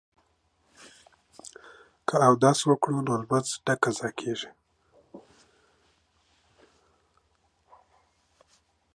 که اودس وکړو نو لمونځ نه قضا کیږي.